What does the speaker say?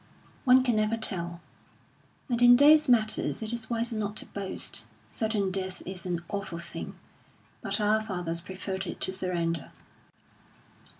"One can never tell; and in those matters it is wiser not to boast. Certain death is an awful thing, but our fathers preferred it to surrender."